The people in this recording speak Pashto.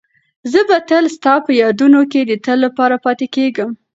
زه به تل ستا په یادونو کې د تل لپاره پاتې کېږم.